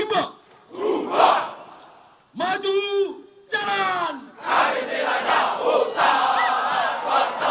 dewa setia selalu dirana